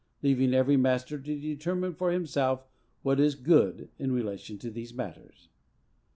leaving every master to determine for himself what is good in relation to these matters.